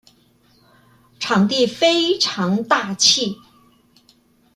場地非常大氣